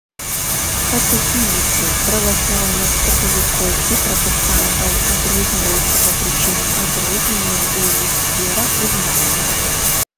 Катэхізісы праваслаўных, каталікоў і пратэстантаў адрозніваюцца па прычыне адрозненняў у іх веравызнаннях.